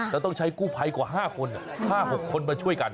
เราต้องใช้กู้ไพไปกว่า๕คน๕๖คนมาช่วยกัน